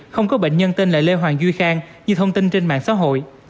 không có bệnh nhân tên là lê hoàng duy khang như thông tin trên mạng xã hội